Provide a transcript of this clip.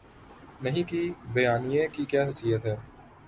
نہیں کے بیانیے کی کیا حیثیت ہے؟